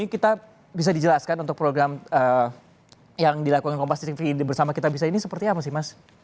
kita bisa dijelaskan untuk program yang dilakukan kompas di tv bersama kitabisa ini seperti apa sih mas